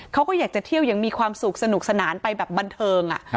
เขาก็อยากจะเที่ยวอย่างมีความสุขสนุกสนานไปแบบบันเทิง